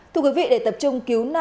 thưa quý vị để tập trung cứu hộ